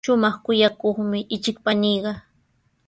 Shumaq kuyakuqmi ichik paniiqa.